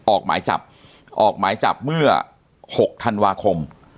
ออกหมายจับออกหมายจับเมื่อ๖ธันวาคม